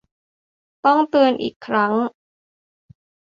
ต้องเตือนอีกครั้ง